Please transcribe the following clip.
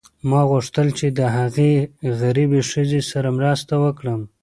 ما غوښتل چې د هغې غریبې ښځې سره مرسته وکړم.